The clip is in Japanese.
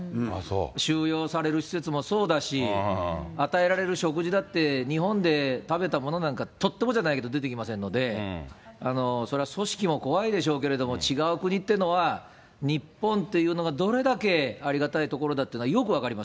収容される施設もそうですし、与えられる食事だって、日本で食べたものなんか、とってもじゃないけど、出てきませんので、それは組織も怖いでしょうけれども、違う国っていうのは、日本っていうのがどれだけありがたい所だっていうのはよく分かり